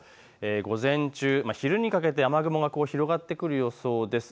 午前中、昼にかけて雨雲が広がってくる予想です。